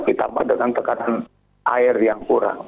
ditambah dengan tekanan air yang kurang